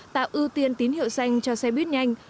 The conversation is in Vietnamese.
tạo ưu tiên tín hiệu xanh cho xe buýt nhanh